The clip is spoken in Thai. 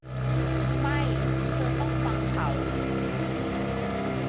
ไม่ เธอต้องฟังเขา